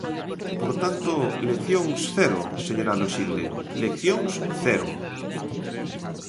Por tanto, leccións cero, señora Loxilde, leccións cero.